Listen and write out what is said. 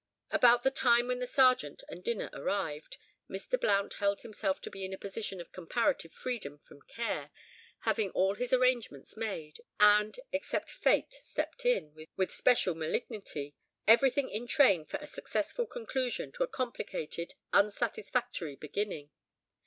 About the time when the Sergeant and dinner arrived, Mr. Blount held himself to be in a position of comparative freedom from care, having all his arrangements made, and, except Fate stepped in with special malignity, everything in train for a successful conclusion to a complicated, unsatisfactory beginning.